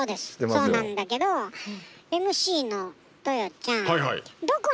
そうなんだけどＭＣのとよちゃん。